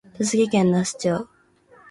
栃木県那須町